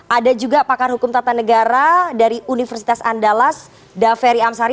ada juga pakar hukum tata negara dari universitas andalas daferi amsari